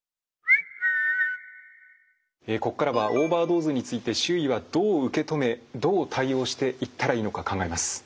ここからはオーバードーズについて周囲はどう受け止めどう対応していったらいいのか考えます。